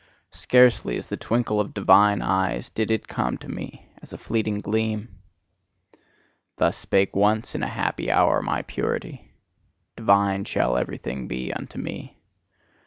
Scarcely, as the twinkle of divine eyes, did it come to me as a fleeting gleam! Thus spake once in a happy hour my purity: "Divine shall everything be unto me."